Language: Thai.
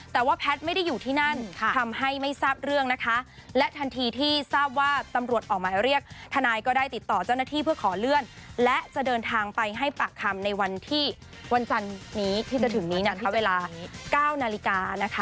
แต่ว่าแพทย์ไม่ได้อยู่ที่นั่นทำให้ไม่ทราบเรื่องนะคะและทันทีที่ทราบว่าตำรวจออกหมายเรียกทนายก็ได้ติดต่อเจ้าหน้าที่เพื่อขอเลื่อนและจะเดินทางไปให้ปากคำในวันที่วันจันนี้ที่จะถึงนี้นะคะเวลา๙นาฬิกานะคะ